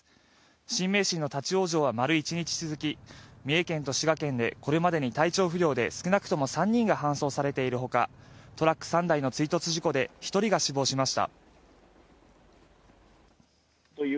新名神の立ち往生は丸一日続き、三重県と滋賀県でこれまでに体調不良で少なくとも３人が搬送されているほか、トラック３台の追突事故で１人が死亡しました。